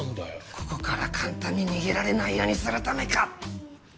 ここから簡単に逃げられないようにするためか。